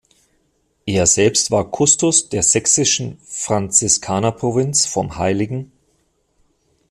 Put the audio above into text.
Er selbst war Kustos der Sächsischen Franziskanerprovinz vom hl.